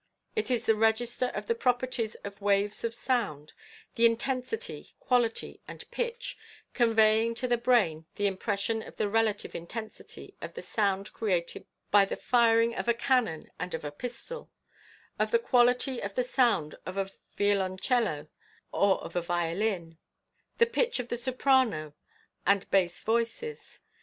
It is the register of the properties of waves of sound — the intensity, quality and pitch — conveying to the brain an impression of the relative intensity of the sound created by the firing of a cannon and of a pistol; of the quality of the sound of a violoncello or of a violin — the pitch of the soprano and bass voices.